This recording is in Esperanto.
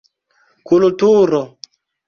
Kulturo: